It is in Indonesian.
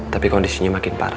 tapi kondisinya makin parah